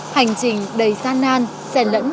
hành trình đầy gian nan sẽ lẫn